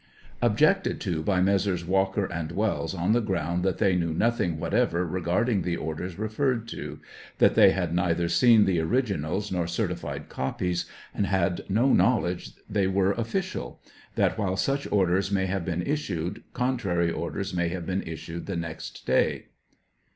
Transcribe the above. [Objected to by Messrs. Walker and Wells, on the ground that they knew nothing whatever regarding the orders referred to; that they had neither seen the originals nor certified copies, and had no knowledge they were official; that while such orders may have been issued, contrary orders may have been issued the next day.